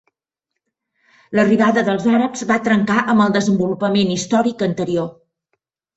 L'arribada dels àrabs va trencar amb el desenvolupament històric anterior.